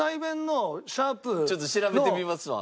ちょっと調べてみますわ。